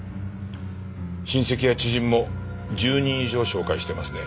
親戚や知人も１０人以上紹介していますね。